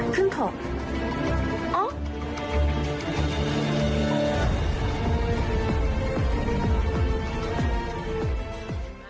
ขึ้นเขา